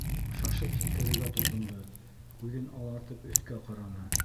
Шашып һикерергә тотондо, күҙен алартып өҫкә ҡараны.